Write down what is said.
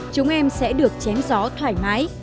các em sẽ được chém gió thoải mái